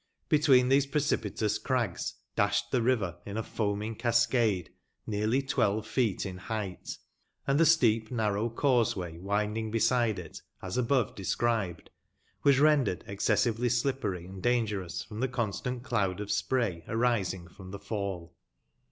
Between tbese precipitous crags dasbed tbe river in a foaming cascade, nearly twelve feet in beigbt, and tbe steep narrow causeway winding beeide it, as aböTe described, was rendered excessively slippery and dangerous from tbe con stant cloud of spray arising from tbe fall.